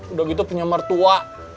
udah gitu punya mertua